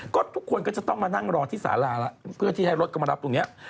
ก็ทุกคนก็จะต้องมานั่งรอที่สาราแล้วเพื่อที่ให้รถก็มารับตรงนี้